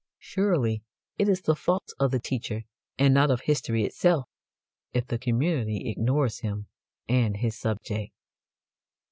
Surely it is the fault of the teacher and not of history itself if the community ignores him and his subject.